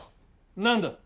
何だ？